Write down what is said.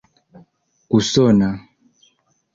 usona